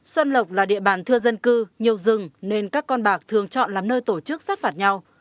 xuân lộc là địa bàn thưa dân cư nhiều rừng nên các con bạc thường chọn làm nơi tổ chức sát phạt nhau